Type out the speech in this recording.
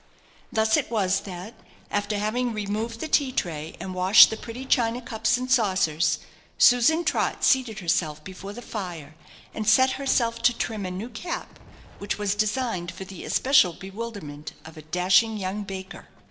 Thus it was that, after having removed the tea tray, and washed the pretty china cups and saucers, Susan Trott seated herself before the fire, and set herself to trim a new cap, which was designed for the especial bewilderment of a dashing young baker.